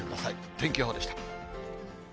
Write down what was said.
天気予報でした。